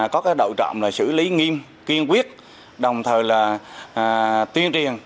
có cái độ trọng là xử lý nghiêm kiên quyết đồng thời là tuyên triền